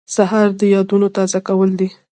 سهار د یادونو تازه کول دي.